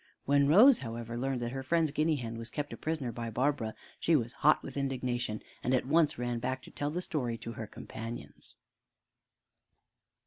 When Rose, however, learned that her friend's guinea hen was kept a prisoner by Barbara, she was hot with indignation, and at once ran back to tell the story to her companions.